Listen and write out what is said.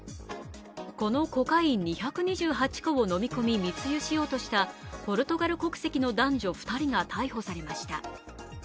このコカイン２２８個を飲み込み密輸しようとしたポルトガル国籍の男女２人が逮捕されました。